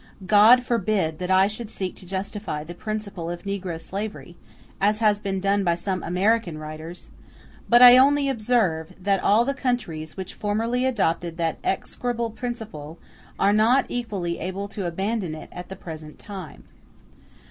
God forbid that I should seek to justify the principle of negro slavery, as has been done by some American writers! But I only observe that all the countries which formerly adopted that execrable principle are not equally able to abandon it at the present time.